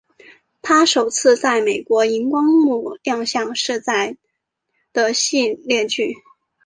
她首次在美国萤光幕亮相是在的系列剧。